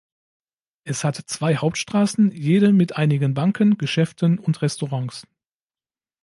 Es hat zwei Hauptstraßen, jede mit einigen Banken, Geschäften und Restaurants.